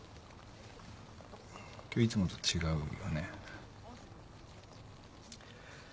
今日いつもと違うよね？